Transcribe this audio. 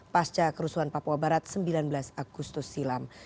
pasca kerusuhan papua barat sembilan belas agustus silam